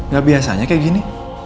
gak biasanya kayak gini